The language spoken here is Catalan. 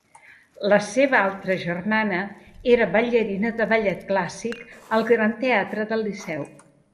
La seva altra germana era ballarina de ballet clàssic al Gran Teatre del Liceu.